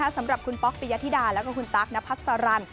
สำหรับคุณป๊อกปิยธิดาแล้วก็คุณตั๊กนพัสสารัน